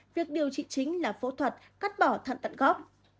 việc điều trị chính là phẫu thuật cắt bỏ thận tận gốc